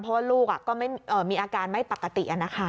เพราะว่าลูกก็มีอาการไม่ปกติ